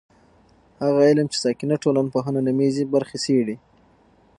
هغه علم چې ساکنه ټولنپوهنه نومیږي برخې څېړي.